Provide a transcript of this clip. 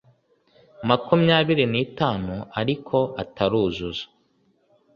makumyabiri n itanu ariko ataruzuza